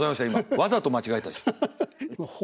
わざと間違えたでしょう？